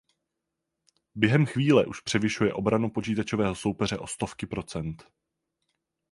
Během chvíle už převyšuje obranu počítačového soupeře o stovky procent.